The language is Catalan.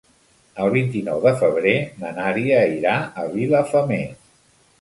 El vint-i-nou de febrer na Nàdia irà a Vilafamés.